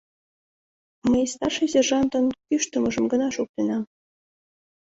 Мый старший сержантын кӱштымыжым гына шуктенам...